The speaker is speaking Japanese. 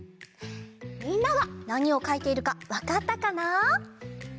みんなはなにをかいているかわかったかな？